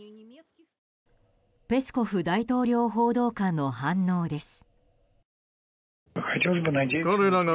ペスコフ大統領報道官の反応です。